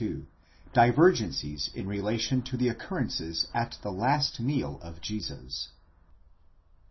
DIVERGENCIES IN RELATION TO THE OCCURRENCES AT THE LAST MEAL OF JESUS.